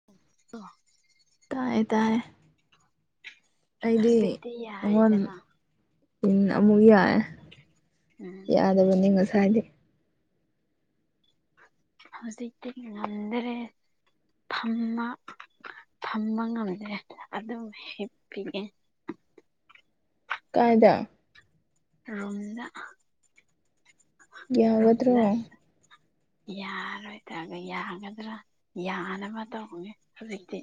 [unintelligible] ꯇꯥꯏꯌꯦ ꯇꯥꯏꯌꯦ ꯑꯩꯗꯤ ꯍꯧꯖꯤꯛꯇꯤ ꯑꯩꯉꯣꯟ ꯌꯥꯏꯗꯅ ꯑꯃꯨꯛ ꯌꯥꯑꯦ ꯎꯝ ꯑꯗꯨꯅꯤ ꯉꯁꯥꯏꯗꯩ ꯍꯧꯖꯤꯛꯇꯤ ꯉꯟꯗ꯭ꯥꯔꯦ ꯐꯝꯃ ꯐꯝꯕ ꯉꯝꯗ꯭ꯔꯦ ꯑꯗꯨꯝ ꯍꯤꯞꯄꯤꯅꯦ ꯀꯥꯏꯗ ꯔꯨꯝꯗꯥ ꯔꯨꯝꯗꯥ ꯌꯥꯒꯗ꯭ꯔꯣ ꯌꯥꯔꯣꯏꯇꯥꯒ ꯌꯥꯒꯗ꯭ꯔꯥ ꯌꯥꯅꯕ ꯇꯧꯅꯤ ꯍꯧꯖꯤꯛꯇꯤ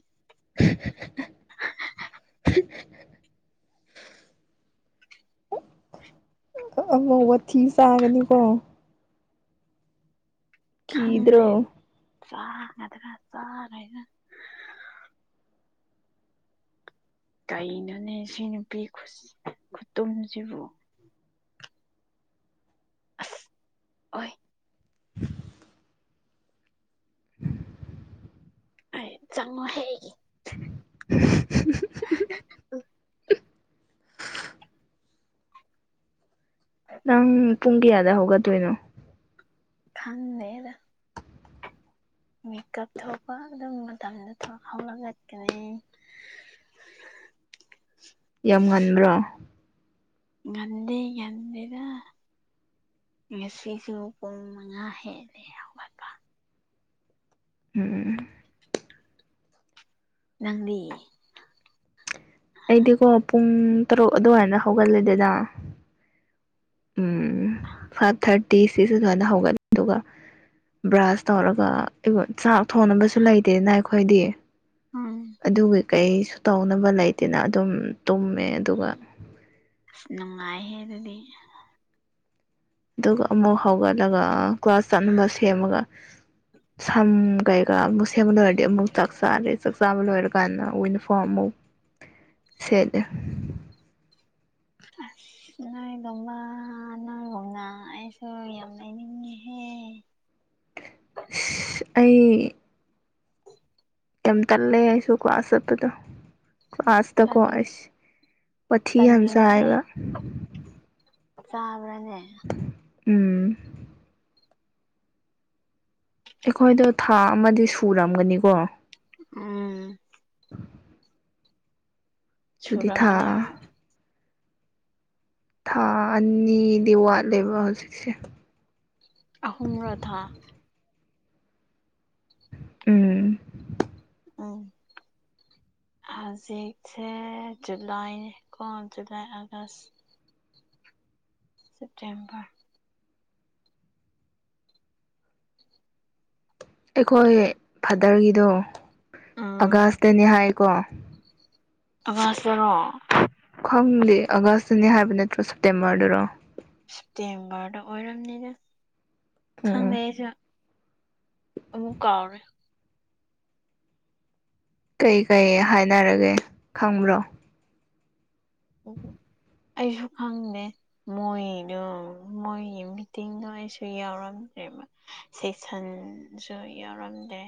[inaudible] ꯑꯃꯨꯛ ꯋꯥꯊꯤ ꯆꯥꯒꯅꯤꯀꯣ ꯈꯪꯗꯦ ꯀꯤꯗ꯭ꯔꯣ ꯆꯥꯒꯗ꯭ꯔ ꯆꯥꯔꯣꯏꯗ꯭ꯔꯥ ꯀꯩꯅꯣꯅꯦ ꯁꯤ ꯅꯨꯄꯤ ꯈꯨꯁ ꯈꯨꯇꯨꯝꯁꯤꯕꯨ ꯑꯁ ꯑꯣꯏ ꯍꯩ ꯆꯪꯉꯣ ꯍꯦ ꯅꯪ ꯄꯨꯡ ꯀꯌꯥꯗ ꯍꯧꯒꯠꯇꯣꯏꯅꯣ ꯈꯪꯗꯦꯗ ꯃꯤꯀꯞ ꯊꯣꯛꯄ ꯑꯗꯨꯝ ꯃꯇꯝꯗ ꯊꯣꯛ ꯍꯧꯒꯠꯂꯛꯀꯅꯤ ꯌꯥꯝ ꯉꯟꯕ꯭ꯔꯣ ꯉꯟꯗꯦ ꯉꯟꯗꯦꯗ ꯉꯁꯤꯁꯨ ꯄꯨꯡ ꯃꯉꯥ ꯍꯦꯜꯂꯦ ꯍꯧꯒꯠꯄ ꯎꯝ ꯅꯪꯗꯤ ꯑꯩꯗꯤꯀꯣ ꯄꯨꯡ ꯇꯔꯨꯛ ꯑꯗꯨꯋꯥꯏꯗ ꯍꯧꯒꯠꯂꯦꯗꯦꯗꯥ ꯎꯝ ꯐꯥꯏꯚ ꯊꯥꯔꯇꯤ ꯁꯤꯛꯁ ꯑꯗꯨꯋꯥꯏꯗ ꯍꯧꯒꯠꯅꯤ ꯑꯗꯨꯒ ꯕ꯭ꯔꯥꯁ ꯇꯧꯔꯒ [unintelligible] ꯆꯥꯛ ꯊꯣꯡꯅꯕꯁꯨ ꯂꯩꯇꯦꯅ ꯑꯩꯈꯣꯏꯗꯤ ꯎꯝ ꯑꯗꯨꯒꯤ ꯀꯩꯁꯨ ꯇꯧꯅꯕ ꯂꯩꯇꯦꯅ ꯑꯗꯨꯝ ꯇꯨꯝꯃꯦ ꯑꯗꯨꯒ ꯅꯨꯡꯉꯥꯏꯍꯦ ꯑꯗꯨꯗꯤ ꯑꯗꯨꯒ ꯑꯃꯨꯛ ꯍꯧꯒꯠꯂꯒ ꯀ꯭ꯂꯥꯁ ꯆꯠꯅꯕ ꯁꯦꯝꯃꯒ ꯁꯝꯒꯥꯏꯒ ꯑꯃꯨꯛ ꯁꯦꯝ ꯂꯣꯏꯔꯗꯤ ꯑꯃꯨꯛ ꯆꯛꯆꯥꯥꯔ‌ꯦ ꯆꯥꯛ ꯆꯥꯕ ꯂꯣꯏꯔꯀꯥꯟꯗ ꯌꯨꯅꯤꯐꯣꯔꯝ ꯑꯃꯨꯛ ꯁꯦꯠꯂꯦ [inaudible] ꯅꯨꯡꯉꯥꯏ [unintelligible] ꯅꯪꯒꯨꯝꯅ ꯑꯩꯁꯨ ꯌꯥꯝ ꯂꯩꯅꯤꯡꯉꯤꯍꯦ ꯑꯩ ꯌꯥꯝ ꯇꯜꯂꯦ ꯑꯩꯁꯨ ꯀ꯭ꯂꯥꯁ ꯆꯠꯄꯗꯣ ꯀ꯭ꯂꯥꯁ ꯇꯀꯣ ꯇꯟ ꯑꯩꯁ ꯋꯥꯊꯤ ꯌꯥꯝ ꯆꯥꯏꯕ ꯆꯥꯕ꯭ꯔꯅꯦ ꯎꯝ ꯑꯩꯈꯣꯏꯗꯣ ꯊꯥ ꯑꯃꯗꯤ ꯁꯨꯔꯝꯒꯅꯤꯀꯣ ꯎꯝ ꯑꯗꯨꯗꯤ ꯊꯥ ꯁꯨꯔꯝꯒꯅꯤ ꯍꯣꯢ ꯊꯥ ꯑꯅꯤꯗꯤ ꯋꯥꯠꯂꯦꯕ ꯍꯧꯖꯤꯛꯁꯦ ꯑꯍꯨꯝꯔ‌ꯣ ꯊꯥ ꯎꯝ ꯑꯝ ꯍꯧꯖꯤꯛꯁꯦ ꯖꯨꯂꯥꯏꯅꯤꯀꯣ ꯖꯨꯂꯥꯏ ꯑꯥꯒꯁ [inaudible] ꯁꯦꯞꯇꯦꯝꯕꯔ [inaudible] ꯑꯩꯈꯣꯏ ꯐꯥꯗꯔꯒꯤꯗꯣ ꯎꯝ ꯑꯥꯒꯁꯇꯅꯦ ꯍꯥꯏꯀꯣ ꯑꯥꯒꯁꯇꯔꯣ ꯈꯪꯗꯦ ꯑꯥꯒꯁꯇꯅꯦ ꯍꯥꯏꯕ ꯅꯠꯇ꯭ꯔꯣ ꯁꯦꯞꯇꯦꯝꯕꯔꯗꯔꯣ ꯁꯦꯞꯇꯦꯝꯕꯔꯗ ꯑꯣꯏꯔꯝꯅꯤꯗ ꯎꯝ ꯈꯪꯗꯦ ꯑꯩꯁꯨ ꯑꯃꯨꯛ ꯀꯥꯎꯔꯦ ꯀꯩꯀꯩ ꯍꯥꯏꯅꯔꯒꯦ ꯈꯪꯕ꯭ꯔꯣ ꯑꯣ ꯑꯩꯁꯨ ꯈꯪꯗꯦ ꯃꯣꯏꯗꯨ ꯃꯣꯏ ꯃꯤꯇꯤꯡꯗꯣ ꯑꯩꯁꯨ ꯌꯥꯎꯔꯝꯗ꯭ꯔꯦꯕ ꯁꯦꯁꯟꯁꯨ ꯌꯥꯎꯔꯝꯗꯦ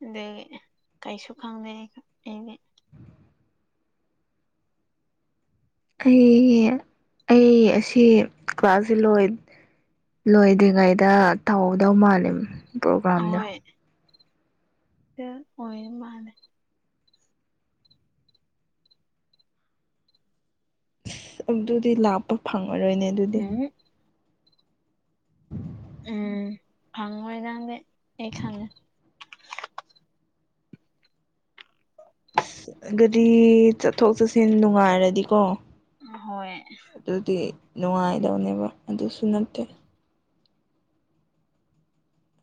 ꯗꯨꯒꯤꯅꯦ ꯀꯩꯁꯨ ꯈꯪꯗꯦ ꯑꯩꯁꯨ ꯑꯩꯗꯤ ꯀꯩꯒꯤ ꯑꯩ ꯑꯁꯤ ꯀ꯭ꯂꯥꯁꯁꯤ ꯂꯣꯏ ꯂꯣꯏꯗ꯭ꯔꯤꯉꯩꯗ ꯇꯧꯗꯧ ꯃꯥꯜꯂꯦ ꯄ꯭ꯔꯣꯒ꯭ꯔꯥꯝꯗꯣ ꯑꯍꯣꯏ [unintelligible] ꯑꯣꯏ ꯃꯥꯟꯂꯦ ꯑꯗꯨꯗꯤ ꯂꯥꯛꯄ ꯐꯪꯉꯔꯣꯏꯅꯦ ꯑꯗꯨꯗꯤ [unintelligible] ꯎꯝ ꯐꯪꯉꯣꯢ ꯅꯪꯗꯤ ꯑꯩ ꯈꯪꯉꯦ ꯑꯁ ꯑꯗꯨꯗꯤ ꯆꯠꯊꯣꯛ ꯆꯠꯁꯤꯟ ꯅꯨꯡꯉꯥꯏꯔꯗꯤꯀꯣ ꯍꯣꯏ ꯑꯗꯨꯗꯤ ꯅꯨꯡꯉꯥꯏꯗꯧꯅꯦꯕ ꯑꯗꯨꯁꯨ ꯅꯠꯇꯦ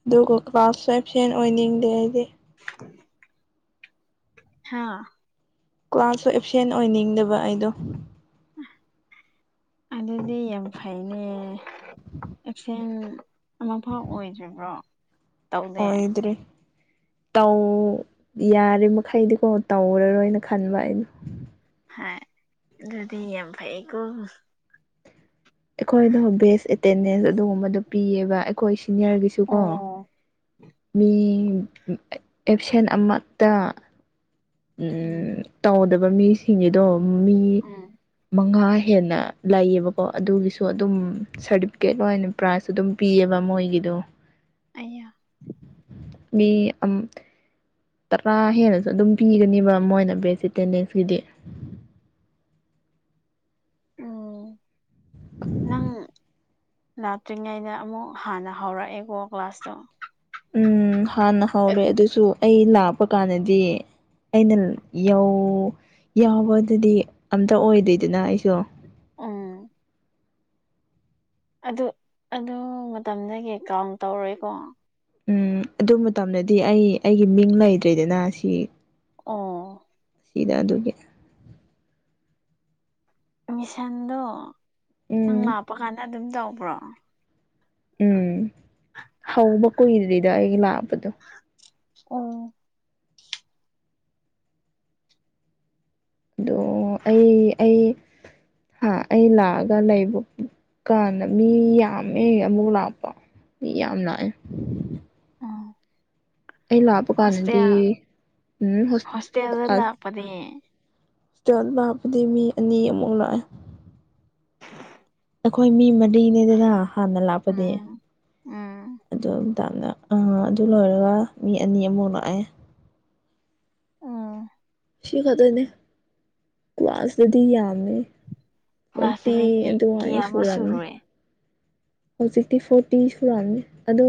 ꯑꯗꯨꯒ ꯀ꯭ꯂꯥꯁ ꯑꯦꯞꯁꯦꯟ ꯑꯣꯏꯅꯤꯡꯗꯦ ꯑꯩꯗꯤ [inaudible] ꯍꯥꯥ ꯀ꯭ꯂꯥꯁꯁꯨ ꯑꯦꯞꯁꯦꯟ ꯑꯣꯏꯅꯤꯡꯗꯕ ꯑꯩꯗꯣ [inaudible] ꯑꯗꯨꯗꯤ ꯌꯥꯝ ꯐꯩꯅꯦ ꯑꯦꯞꯁꯦꯟ ꯑꯃꯐꯥꯎ ꯑꯣꯏꯗ꯭ꯔꯤꯕ꯭ꯔꯣ ꯇꯧꯗꯦ ꯑꯣꯏꯗ꯭ꯔꯤ ꯇꯧ ꯌꯥꯔꯤꯃꯈꯩꯗꯤꯀꯣ ꯇꯧꯔꯔꯣꯏꯅ ꯈꯟꯕ ꯑꯩꯩꯅ ꯍꯣꯏ ꯑꯗꯨꯗꯤ ꯌꯥꯝ ꯐꯩꯀꯣ ꯑꯩꯈꯣꯏꯗꯣ ꯕꯦꯁ ꯑꯦꯇꯦꯟꯗꯦꯟꯁ ꯑꯗꯨꯒꯨꯝꯕꯗꯣ ꯄꯤꯌꯦꯕ ꯑꯩꯈꯣꯏ ꯁꯤꯅꯤꯌꯔꯒꯤꯁꯨꯀꯣ ꯑꯣ ꯃꯤ ꯑꯦꯞꯁꯦꯟ ꯑꯃꯠꯇ ꯎꯝ ꯇꯧꯗꯕ ꯃꯤꯁꯤꯡꯒꯤꯗꯣ ꯃꯤ ꯎꯝ ꯃꯉꯥ ꯍꯦꯟꯅ ꯂꯩꯌꯦꯕꯀꯣ ꯑꯗꯨꯒꯤꯁꯨ ꯑꯗꯨꯝ ꯁꯥꯔꯇꯤꯐꯤꯀꯦꯠ ꯑꯣꯏꯅ ꯄ꯭ꯔꯥꯏꯖ ꯑꯗꯨꯝ ꯄꯤꯌꯦꯕ ꯃꯣꯏꯒꯤꯗꯣ ꯑꯌꯥ ꯃꯤ ꯑꯝ ꯇꯔꯥ ꯍꯦꯜꯂꯁꯨ ꯑꯗꯨꯝ ꯄꯤꯒꯅꯤꯕ ꯃꯣꯏꯅ ꯕꯦꯁ ꯑꯦꯇꯦꯟꯗꯦꯟꯁꯀꯤꯗꯤ ꯎꯝ ꯅꯪ ꯂꯥꯛꯇ꯭ꯔꯤꯉꯩꯗ ꯑꯃꯨꯛ ꯍꯥꯟꯅ ꯍꯧꯔꯛꯑꯦꯀꯣ ꯀ꯭ꯂꯥꯁꯇꯣ ꯎꯝ ꯍꯥꯟꯅ ꯍꯧꯔꯦ ꯑꯗꯨꯁꯨ ꯑꯩ ꯂꯥꯛꯄ ꯀꯥꯟꯗꯗꯤ ꯑꯩꯅ ꯌꯧ ꯌꯥꯎꯕꯗꯗꯤ ꯑꯝꯇ ꯑꯣꯏꯗꯦꯗꯅ ꯑꯩꯁꯨ ꯑꯝ ꯑꯗꯨ ꯑꯗꯨ ꯃꯇꯝꯗꯒꯤ ꯀꯥꯎꯟ ꯇꯧꯔꯣꯏꯀꯣ ꯎꯝ ꯑꯗꯨ ꯃꯇꯝꯗꯗꯤ ꯑꯩ ꯑꯩꯒꯤ ꯃꯤꯡ ꯂꯩꯇ꯭ꯔꯤꯗꯅ ꯁꯤ ꯑꯣ ꯁꯤꯗ ꯑꯗꯨꯒꯤ ꯃꯤꯁꯟꯗꯣ ꯅꯪ ꯎꯝ ꯂꯥꯞꯄ ꯀꯥꯟꯗ ꯑꯗꯨꯝ ꯇꯧꯕ꯭ꯔꯣ ꯎꯝ ꯍꯧꯕ ꯀꯨꯏꯗ꯭ꯔꯤꯗ ꯑꯩꯒꯤ ꯂꯥꯛꯄꯗꯣ ꯑꯣ ꯑꯗꯣ ꯑꯩ ꯑꯩ ꯍꯥ ꯑꯩ ꯂꯥꯛꯑꯒ ꯂꯩꯕ ꯀꯥꯟꯗ ꯃꯤ ꯌꯥꯝꯃꯦ ꯑꯃꯨꯛ ꯂꯥꯛꯄ ꯃꯤ ꯌꯥꯝ ꯂꯥꯑꯦ ꯑꯣ ꯑꯩ ꯂꯥꯛꯄ ꯀꯥꯟꯗꯗꯤ ꯍꯣꯁꯇꯦꯜ ꯎꯝ ꯍꯣꯁꯇꯦꯜꯗ ꯂꯥꯛ ꯄꯗꯤ ꯍꯣꯁꯇꯦꯜ ꯂꯥꯛꯄꯗꯤ ꯃꯤ ꯑꯅꯤ ꯑꯃꯨꯛ ꯂꯥꯛꯑꯦ [unintelligible] ꯑꯈꯣꯏ ꯃꯤ ꯃꯔꯤꯅꯦꯗꯅ ꯍꯥꯟꯅ ꯂꯥꯛꯄꯗꯤ ꯎꯝ ꯎꯝ ꯑꯗꯨ ꯃꯇꯝꯗ ꯑꯥ ꯑꯗꯨ ꯂꯣꯏꯔꯒ ꯃꯤ ꯑꯅꯤ ꯑꯃꯨꯛ ꯂꯥꯛꯑꯦ ꯑꯥ ꯁꯤ ꯈꯛꯇꯅꯦ ꯀ꯭ꯂꯥꯁꯇꯗꯤ ꯌꯥꯝꯃꯦ ꯐꯣꯔꯇꯤ ꯀ꯭ꯂꯥꯁꯇꯗꯤ ꯑꯗꯨꯋꯥꯏ ꯀꯌꯥꯃꯨꯛ ꯁꯨꯔꯝꯅꯤ ꯁꯨꯔꯨꯔꯦ ꯍꯧꯖꯤꯛꯇꯤ ꯐꯣꯔꯇꯤ ꯁꯨꯔꯝꯅꯤ ꯑꯗꯣ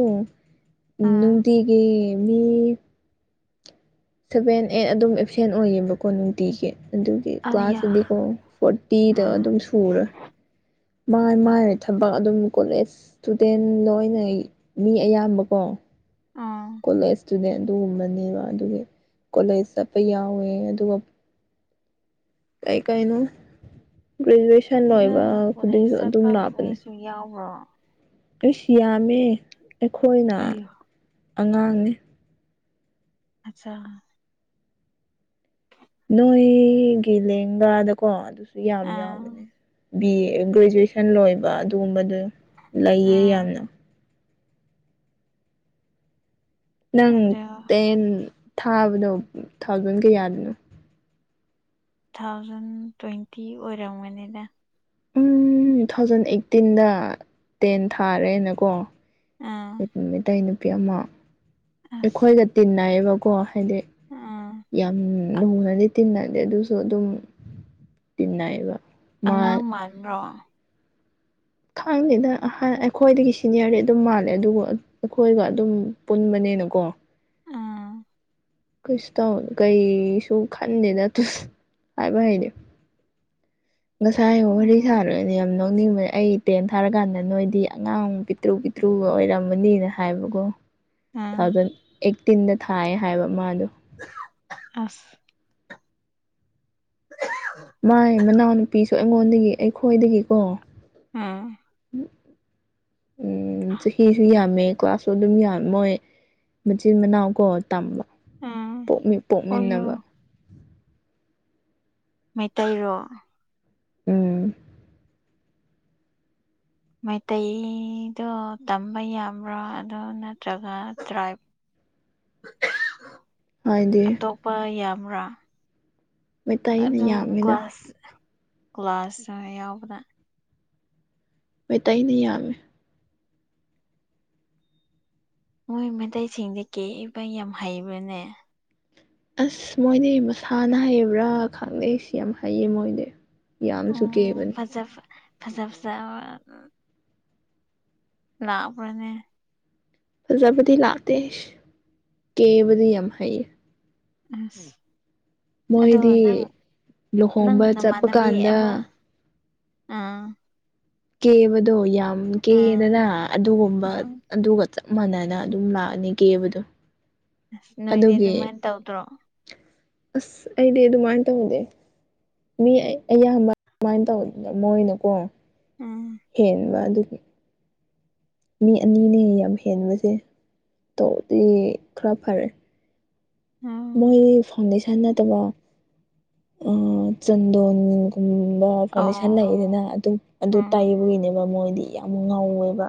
ꯎꯝ ꯅꯨꯡꯇꯤꯒꯤ ꯃꯤ ꯁꯚꯦꯟ ꯑꯦꯠ ꯑꯗꯨꯝ ꯑꯦꯞꯁꯦꯟ ꯑꯣꯏꯌꯦꯕꯀꯣ ꯅꯨꯡꯇꯤꯒꯤ ꯑꯗꯨꯒꯤ ꯑꯌꯥ ꯀ꯭ꯂꯥꯁꯇꯗꯤꯀꯣ ꯐꯣꯔꯇꯤꯗꯣ ꯎꯝ ꯑꯗꯨꯝ ꯁꯨꯔꯥ ꯃꯥꯏ ꯃꯥꯏ ꯊꯕꯛ ꯑꯗꯨꯝ ꯀꯣꯂꯦꯖ ꯏꯁꯇꯨꯗꯦꯟ ꯂꯣꯏꯅ ꯃꯤ ꯑꯌꯥꯝꯕꯀꯣ ꯑꯥ ꯀꯣꯂꯦꯖ ꯏꯁꯇꯨꯗꯦꯟ ꯑꯗꯨꯒꯨꯝꯕꯅꯦꯕ ꯑꯗꯨꯒꯤ ꯀꯣꯂꯦꯖ ꯆꯠꯄ ꯌꯥꯎꯋꯦ ꯑꯗꯨꯒ ꯀꯩ ꯀꯩꯅꯣ ꯒ꯭ꯔꯦꯖꯨꯋꯦꯁꯟ ꯑꯌꯥ ꯂ‌ꯣꯏꯏꯕ ꯀꯣꯂꯦꯖ ꯈꯨꯗꯤꯡꯁꯨ ꯑꯗꯨꯝ ꯆꯠꯄ ꯂꯥꯄꯅꯦ ꯃꯤꯁꯨ ꯌꯥꯎꯕ꯭ꯔꯣ ꯑꯩꯁ ꯌꯥꯝꯃꯦ ꯑꯩꯈꯣꯏꯅ ꯑꯌꯣ ꯑꯉꯥꯡꯅꯦ ꯑꯠꯆꯥ ꯅꯣꯏꯒꯤ ꯂꯦꯡꯒꯥꯗꯀꯣ ꯑꯗꯨꯁꯨ ꯌꯥꯝ ꯑꯥ ꯌꯥꯎꯕꯅꯦ ꯕꯤ ꯑꯦ ꯒ꯭ꯔꯦꯖꯨꯋꯦꯁꯟ ꯂꯣꯏꯕ ꯑꯗꯨꯒꯨꯝꯕꯗꯣ ꯂꯩꯌꯦ ꯑꯥ ꯌꯥꯝꯅ ꯅꯪ ꯑꯗꯣ ꯇꯦꯟ ꯊꯥꯕꯗꯣ ꯎ ꯊꯥꯎꯖꯟ ꯀꯌꯥꯗꯅꯣ ꯊꯥꯎꯖꯟ ꯇ꯭ꯋꯦꯟꯇꯤ ꯑꯣꯏꯔꯝꯒꯅꯤꯗ ꯎꯝ ꯊꯥꯎꯖꯟ ꯑꯩꯠꯇꯤꯟꯗ ꯇꯦꯟ ꯊꯥꯔꯦꯅꯀꯣ ꯑꯥ [unintelligible] ꯃꯩꯇꯩ ꯅꯨꯄꯤ ꯑꯃ ꯑꯩꯈꯣꯏꯒ ꯇꯤꯟꯅꯩꯌꯦꯕꯀꯣ ꯍꯥꯏꯗꯤ ꯑꯥ ꯌꯥꯝ ꯂꯨꯅꯗꯤ ꯇꯤꯟꯅꯗꯦ ꯑꯗꯨꯁꯨ ꯑꯗꯨꯝ ꯇꯤꯟꯅꯩꯕ ꯃꯥ [unintelligible] ꯈꯪꯗꯦꯗ ꯑꯍꯟ ꯑꯩꯈꯣꯏꯗꯒꯤ ꯁꯤꯅꯤꯌꯥꯔꯗꯤ ꯑꯗꯨꯝ ꯃꯥꯜꯂꯦ ꯑꯗꯨꯕꯨ ꯑꯩꯈꯣꯏꯒ ꯑꯗꯨꯝ ꯄꯨꯟꯕꯅꯦꯅꯀꯣ ꯎꯝ ꯀꯩꯁꯨ ꯇꯧ ꯀꯩꯁꯨ ꯈꯟꯗꯦꯗ ꯇꯨ ꯍꯥꯏꯕ ꯍꯩ [unintelligible] ꯉꯁꯥꯏ ꯋꯥꯔꯤ ꯎꯝ ꯁꯥꯔꯨꯏ ꯌꯥꯝ ꯅꯣꯛꯅꯤꯡꯕ ꯑꯩ ꯇꯦꯟ ꯊꯥꯔꯀꯥꯟꯗ ꯅꯣꯏꯗꯤ ꯑꯉꯥꯡ ꯄꯤꯠꯇ꯭ꯔꯨ ꯄꯤꯠꯇ꯭ꯔꯨ ꯑꯣꯏꯔꯝꯃꯅꯤꯗ꯫ ꯍꯥꯏꯕꯀꯣ ꯇꯨ ꯎꯝ ꯊꯥꯎꯖꯟ ꯑꯩꯠꯇꯤꯟꯗ ꯊꯥꯏ ꯍꯥꯏꯕ ꯃꯥꯗꯣ꯫ ꯑꯁ [unintelligible] ꯃꯥꯏ ꯃꯅꯥꯎꯅꯨꯄꯤꯁꯨ ꯑꯩꯉꯣꯟꯗꯒꯤ ꯑꯩꯈꯣꯏꯗꯒꯤꯀꯣ, ꯎꯝ ꯎꯝ ꯆꯍꯤꯁꯨ ꯌꯥꯝꯃꯦ꯫ ꯀ꯭ꯂꯥꯁꯁꯨ ꯑꯗꯨꯝ ꯌꯥꯝ ꯃꯣꯏ ꯃꯆꯤꯟ ꯃꯅꯥꯎ ꯀꯣ ꯇꯝꯕ꯫ ꯎꯝ ꯄꯣꯛꯃꯤꯟ ꯑꯣꯌꯣ ꯄꯣꯛꯃꯤꯟꯅꯕ꯫ ꯃꯩꯇꯩꯔꯣ? ꯎꯝ ꯃꯥꯏꯇꯩꯗꯣ ꯇꯝꯕ ꯌꯥꯕ꯭ꯔꯥ ꯑꯗꯨ ꯅꯠꯇ꯭ꯔꯒ ꯇ꯭ꯔꯥꯏꯞ ꯍꯥꯏꯗꯤ? ꯅꯨꯄꯥ ꯌꯥꯝꯕ꯭ꯔꯥ ꯃꯩꯇꯩꯅ ꯑꯗꯨ ꯌꯥꯝꯃꯤꯗ ꯀ꯭ꯂꯥꯁ, ꯀ꯭ꯂꯥꯁ ꯁꯥ ꯌꯥꯎꯕꯔꯥ꯫ ꯃꯩꯇꯩꯅ ꯌꯥꯝꯃꯦ ꯃꯣꯏ ꯃꯩꯇꯩꯁꯤꯡꯗꯤ ꯀꯦꯕꯥ ꯌꯥꯝ ꯍꯩꯕꯅꯦ꯫ ꯑꯁ ꯃꯣꯏꯗꯤ ꯃꯁꯥꯅ ꯍꯩꯕ꯭ꯔꯥ ꯈꯪꯗꯦ ꯏꯁ ꯌꯥꯝ ꯍꯩꯌꯦ ꯃꯣꯏꯗꯤ ꯌꯥꯝꯁꯨ ꯑꯣ ꯀꯦꯕꯅꯦ ꯐꯖꯕ ꯐꯖ ꯐꯖꯕ꯫ ꯂꯥꯛꯕ꯭ꯔꯥꯅꯦ꯫ ꯐꯖꯕꯗꯤ ꯂꯥꯛꯇꯦ ꯍꯁ ꯀꯦꯕꯗꯤ ꯌꯥꯝ ꯍꯩ꯫ ꯑꯁ ꯑꯗꯣ ꯅꯪ ꯃꯣꯏꯗꯤ ꯅꯪ ꯂꯨꯍꯣꯡꯕ ꯆꯠꯄ ꯅꯃꯥꯟꯅꯕꯤ ꯑꯃ, ꯀꯥꯟꯗ ꯑꯥ ꯀꯦꯕꯗꯣ ꯌꯥꯝ ꯀꯦꯗꯅ ꯑꯥ ꯑꯗꯨꯒꯨꯝꯕ꯫ ꯎꯝ ꯑꯗꯨꯒ ꯆꯞ ꯃꯥꯟꯅꯅ ꯑꯗꯨꯝ ꯂꯥꯛꯑꯅꯤ ꯀꯦꯕꯗꯣ꯫ ꯑꯁ ꯅꯣꯏꯗꯤ ꯑꯗꯨꯒꯤ ꯑꯗꯨꯃꯥꯏꯅ ꯇꯧꯇ꯭ꯔꯣ? ꯑꯁ ꯑꯩꯗꯤ ꯑꯗꯨꯃꯥꯏꯅ ꯇꯧꯗꯦ꯫ ꯃꯤ ꯑꯌꯥꯝꯕ ꯑꯗꯨꯃꯥꯏꯅ ꯇꯧꯕꯗ ꯃꯣꯏꯅꯀꯣ ꯎꯝ ꯍꯦꯟꯕ ꯑꯗꯨꯒꯤ꯫ ꯃꯤ ꯑꯅꯤꯅꯦ ꯌꯥꯝ ꯍꯦꯟꯕꯁꯦ ꯇꯧꯗꯤꯌꯦ ꯈꯔ ꯐꯔꯦ꯫ ꯍꯥꯎ꯫ ꯃꯣꯏ ꯐꯥꯎꯟꯗꯦꯁꯟ ꯅꯠꯇꯕ ꯑꯥ ꯆꯟꯗꯣꯟ ꯒꯨꯝꯕ ꯐꯥꯎꯟꯗꯦꯁꯟ ꯑꯣ ꯂꯩꯗꯅ ꯑꯗꯨ ꯑꯗꯨ ꯎꯝ ꯇꯩꯕꯒꯤꯅꯦꯕ ꯃꯣꯏꯗꯤ ꯌꯥꯝ ꯉꯧꯋꯦꯕ꯫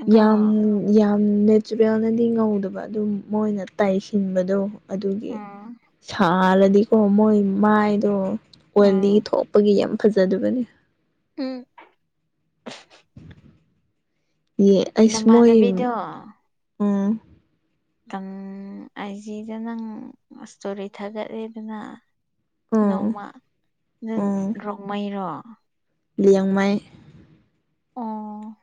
ꯑꯗꯣ ꯌꯥꯝ ꯌꯥꯝ ꯅꯦꯆꯔꯦꯜꯅꯗꯤ ꯉꯧꯗꯕ ꯑꯗꯨꯝ ꯃꯣꯏꯅ ꯇꯩꯁꯤꯟꯕꯗꯣ꯫ ꯑꯗꯨꯒꯤ ꯎꯝ ꯁꯥꯔꯗꯤꯀꯣ ꯃꯣꯏ ꯃꯥꯏꯗꯣ ꯑꯣꯏꯂꯤ ꯎꯝ ꯊꯣꯛ ꯄꯒꯤ ꯌꯥꯝ ꯐꯖꯗꯨꯕꯅꯤ꯫ ꯎꯝ ꯌꯦ ꯑꯩꯁꯨꯃꯣꯏ ꯅꯃꯥꯟꯅꯕꯤꯗꯣ ꯎꯝ꯫ ꯇꯝ ꯑꯥꯏꯖꯤꯗ ꯅꯪ ꯑꯁꯇꯣꯔꯤ ꯊꯥꯒꯠꯂꯤꯗꯅ꯫ ꯎꯝ ꯅꯣꯡꯃ ꯅꯪ ꯎꯝ ꯔꯣꯡꯃꯩꯔꯣ? ꯂꯤꯌꯥꯡꯃꯩ꯫ ꯑꯣ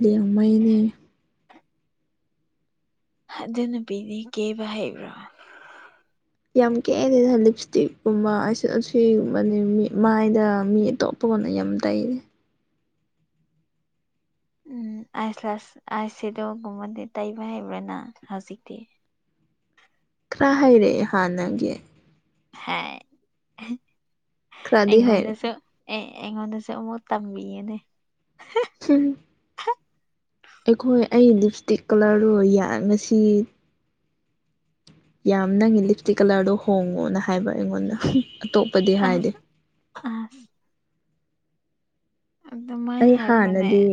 ꯂꯤꯌꯥꯡꯃꯩꯅꯦ꯫ ꯑꯗꯨ ꯅꯨꯄꯤꯗꯤ ꯀꯦꯕ ꯍꯩꯕ꯭ꯔꯥ? ꯌꯥꯝ ꯀꯦꯗꯦꯗ ꯂꯤꯞꯁꯇꯤꯛꯀꯨꯝꯕ ꯑꯥꯏꯁꯦꯗ ꯑꯁꯤꯒꯨꯝꯕꯅꯤ ꯃꯤ ꯃꯥꯏꯗ ꯃꯤ ꯑꯇꯣꯞ ꯄꯣꯟꯅ ꯌꯥꯝ ꯇꯩꯔꯦ ꯎꯝ ꯑꯥꯏ ꯂꯥꯁ ꯑꯥꯏ ꯁꯦꯗꯣꯒꯨꯝꯕꯗꯤ ꯇꯩꯕ ꯍꯩꯕ꯭ꯔꯥ ꯅꯪ ꯍꯧꯖꯤꯛꯇꯤ ꯈꯔ ꯍꯩꯔꯛꯑꯦ ꯍꯥꯟꯅꯒꯤ ꯍꯦ ꯈꯔꯗꯤ ꯍꯩꯔꯦ ꯑꯩꯉꯣꯟꯗꯁꯨ ꯑꯦ ꯑꯩꯉꯣꯟꯗꯁꯨ ꯑꯃꯨꯛ ꯇꯝꯕꯤꯌꯣꯅꯦ ꯍꯨꯝ ꯑꯩꯈꯣꯏ ꯑꯩ ꯂꯤꯞꯁꯇꯤꯛ ꯀꯂꯔꯗꯣ ꯌꯥ ꯉꯁꯤ ꯌꯥꯝ ꯅꯪꯒꯤ ꯂꯤꯞꯁ꯭ꯇꯤꯛ ꯀꯂꯔꯗꯣ ꯍꯣꯡꯉꯣꯅ ꯍꯥꯏꯕ ꯑꯩꯉꯣꯟꯗ ꯍꯝ ꯑꯇꯣꯞ ꯑꯥꯁ ꯑꯥꯁ ꯑꯗꯨꯃꯥꯏ ꯑꯩ ꯍꯥꯏꯕ꯭ꯔꯅꯦ ꯍꯥꯟꯅꯗꯤ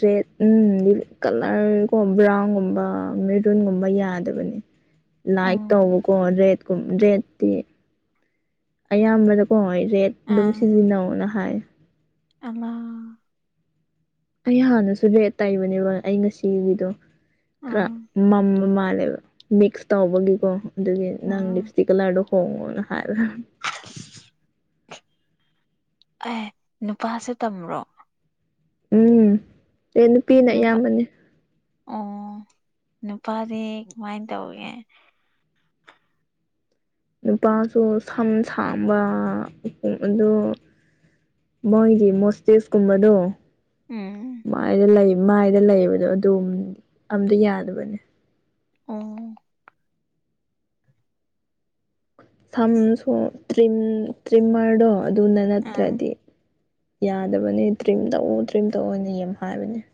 ꯔꯦꯠ ꯎꯝ ꯀꯂꯔ ꯀꯣ ꯕ꯭ꯔꯥꯎꯟꯒꯨꯝꯕ ꯃꯦꯔꯨꯟꯒꯨꯝꯕ ꯌꯥꯗꯕꯅꯦ ꯂꯥꯏꯛ ꯎꯝ ꯇꯧꯕꯀꯣ ꯔꯦꯠ ꯔꯦꯠꯇꯤ ꯑꯌꯥꯝꯕꯅꯀꯣ ꯔꯦꯠ ꯑꯗꯨꯝ ꯁꯤꯖꯤꯟꯅꯧꯑꯣꯅ ꯍꯥꯏ ꯑꯉꯥꯡ ꯑꯩ ꯍꯥꯟꯅꯁꯨ ꯔꯦꯠ ꯇꯩꯕꯅꯦꯕ ꯑꯩ ꯉꯁꯤꯒꯤꯗꯣ ꯈꯔ ꯎꯝ ꯃꯝꯕ ꯃꯥꯜꯂꯦꯕ ꯃꯤꯛꯁ ꯇꯧꯕꯒꯤꯀꯣ ꯑꯗꯨꯒꯤ ꯅꯪ ꯎꯝ ꯂꯤꯞꯁ꯭ꯇꯤꯛ ꯀꯂꯔꯗꯣ ꯍꯣꯡꯉꯣꯅ ꯍꯥꯏꯕ ꯑꯦ ꯅꯨꯄꯥꯁꯨ ꯇꯝꯕ꯭ꯔꯣ ꯎꯝ ꯑꯦ ꯅꯨꯄꯤꯅ ꯅꯨꯄꯥ ꯑꯌꯥꯝꯕꯅꯦ ꯑꯣ ꯅꯨꯄꯥꯗꯤ ꯀꯃꯥꯏꯅ ꯇꯧꯏ ꯅꯨꯄꯥꯁꯨ ꯁꯝ ꯁꯥꯡꯕ ꯑꯗꯨ ꯃꯣꯏꯒꯤ ꯃꯣꯔꯇꯦꯁꯀꯨꯝꯕꯗꯣ ꯎꯝ ꯃꯥꯏꯗ ꯂꯩ ꯃꯥꯏꯗ ꯂꯩꯕꯗꯣ ꯑꯗꯨꯝ ꯑꯃꯇ ꯌꯥꯗꯕꯅꯦ ꯑꯣ ꯁꯝꯁꯨ ꯇ꯭ꯔꯤꯝ ꯇ꯭ꯔꯤꯝꯃꯔꯗꯣ ꯑꯗꯨꯅ ꯎꯝ ꯅꯠꯇ꯭ꯔꯗꯤ ꯌꯥꯗꯕꯅꯤ ꯗ꯭ꯔꯤꯝ ꯇꯧꯑꯣ ꯗ꯭ꯔꯤꯝ ꯇꯧꯑꯣꯅ ꯌꯥꯝ ꯍꯥꯏꯕꯅꯦ